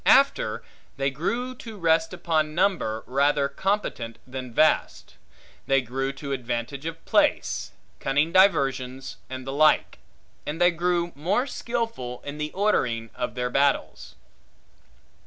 After, they grew to rest upon number rather competent, than vast; they grew to advantages of place, cunning diversions, and the like: and they grew more skilful in the ordering of their battles.